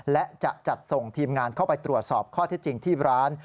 และจะจัดส่งทีมงานเข้าไปตรวจสอบข้อที่จริงที่ร้าน